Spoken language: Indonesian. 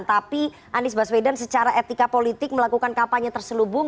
tapi anies baswedan secara etika politik melakukan kampanye terselubung